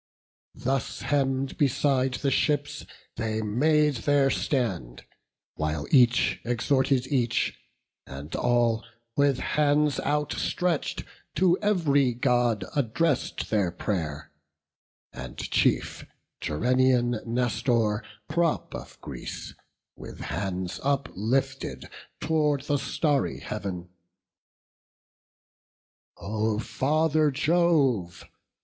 Thus hemm'd beside the ships they made their stand, While each exhorted each, and all, with hands Outstretch'd, to ev'ry God address'd their pray'r: And chief, Gerenian Nestor, prop of Greece, With hands uplifted tow'rd the starry Heav'n: "O Father Jove!